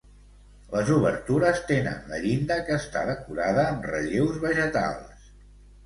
Les obertures tenen la llinda que està decorada amb relleus vegetals.